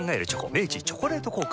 明治「チョコレート効果」